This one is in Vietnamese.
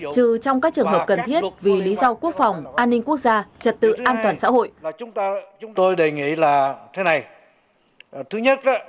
trừ trong các trường hợp cần thiết vì lý do quốc phòng an ninh quốc gia trật tự an toàn xã hội